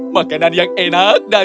makanan yang enak dan